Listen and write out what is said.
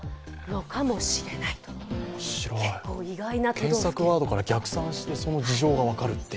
検索ワードから逆算してその事情が分かるっていう。